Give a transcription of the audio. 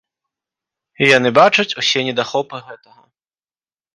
І яны бачаць усе недахопы гэтага.